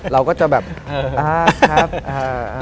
เราก็จะแบบอ่าครับ